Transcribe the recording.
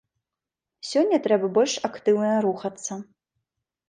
Сёння трэба больш актыўна рухацца.